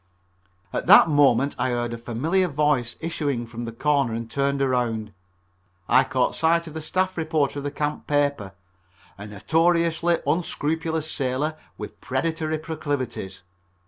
At that moment I heard a familiar voice issuing from the corner, and turning around, I caught sight of the staff reporter of the camp paper, a notoriously unscrupulous sailor with predatory proclivities.